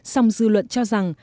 song dư luận cho rằng